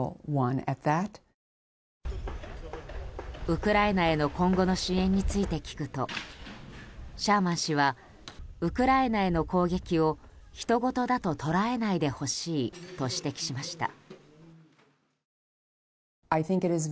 ウクライナへの今後の支援について聞くとシャーマン氏はウクライナへの攻撃をひとごとだと捉えないでほしいと指摘しました。